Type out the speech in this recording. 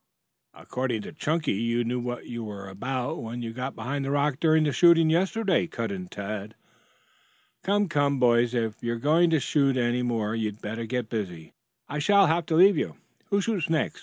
"According to Chunky, you knew what you were about when you got behind the rock during the shooting yesterday," cut in Tad. "Come, come, boys, if you are going to shoot any more you'd better get busy. I shall soon have to leave you. Who shoots next?"